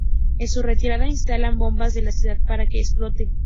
En su retirada instalan bombas en la ciudad para que explote.